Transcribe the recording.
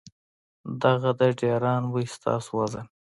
دغه د ډېران بوئي ستاسو وزن ،